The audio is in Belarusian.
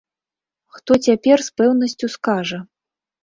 Хто цяпер з пэўнасцю скажа?